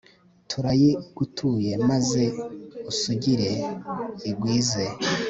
turayigutuye maze isugire, igwize